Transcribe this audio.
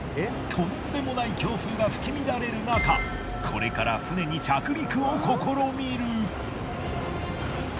とんでもない強風が吹き乱れるなかこれから船に着陸を試みる。